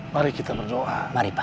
mari kita berdoa